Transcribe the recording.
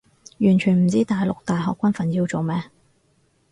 完全唔知大陸大學軍訓要做咩